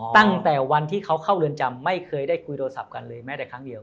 ตั้งแต่วันที่เขาเข้าเรือนจำไม่เคยได้คุยโทรศัพท์กันเลยแม้แต่ครั้งเดียว